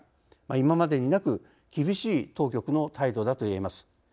今までになく厳しい当局の態度だと言えます。